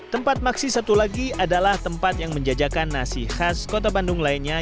tempat maksi satu lagi adalah tempat yang menjajakan nasi khas kota bandung lainnya